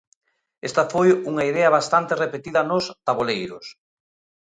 Esta foi unha idea bastante repetida nos taboleiros.